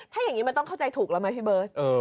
ถ้าอย่างนี้มันต้องเข้าใจถูกแล้วไหมพี่เบิร์ต